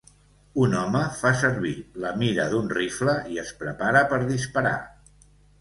Un home fa servir la mira d'un rifle i es prepara per disparar.